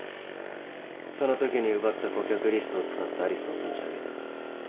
そのときに奪った顧客リストを使ってＡＬＩＣＥを立ち上げた。